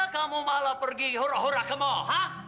kamu malah pergi hura hura ke mall ha